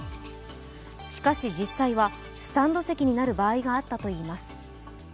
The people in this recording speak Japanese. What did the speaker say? しかし、実際はスタンド席になる場合があったといいます。